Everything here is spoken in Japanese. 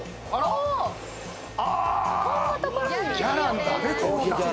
こんなところに！